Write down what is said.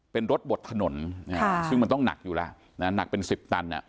เป็นรถบดถนนซึ่งมันต้องหนักอยู่แล้วนะหนักเป็น๑๐ตัน